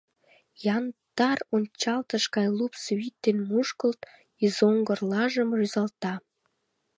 Яндар ончалтыш гай лупс вӱд ден мушкылт, изоҥгырлажым рӱзалта.